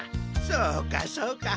そうかそうか。